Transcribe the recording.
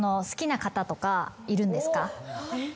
いるんですか？